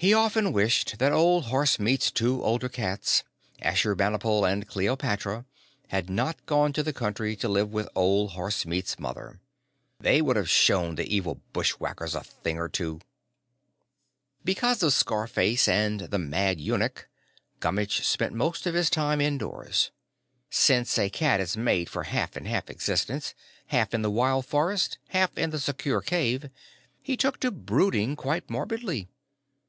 He often wished that old Horsemeat's two older cats, Ashurbanipal and Cleopatra, had not gone to the country to live with Old Horsemeat's mother. They would have shown the evil bushwackers a thing or two! Because of Scarface and the Mad Eunuch, Gummitch spent most of his time indoors. Since a cat is made for a half and half existence half in the wild forest, half in the secure cave he took to brooding quite morbidly.